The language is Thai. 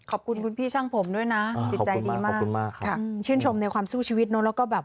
ขอบคุณคุณพี่ช่างผมด้วยนะติดใจดีมาก